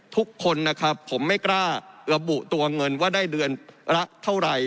ทุกคนนะครับผมไม่กล้าระบุตัวเงินว่าได้เดือนละเท่าไหร่